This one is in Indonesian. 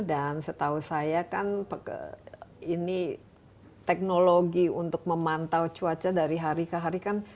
dan setahu saya kan ini teknologi untuk memantau cuaca dari hari ke hari kan